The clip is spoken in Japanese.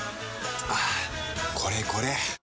はぁこれこれ！